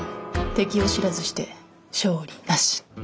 敵を知らずして勝利なし！